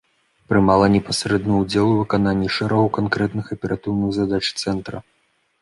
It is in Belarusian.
Прымала непасрэдны ўдзел у выкананні шэрагу канкрэтных аператыўных задач цэнтра.